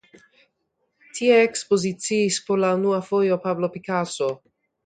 Tie ekspoziciis por la unua fojo Pablo Picasso.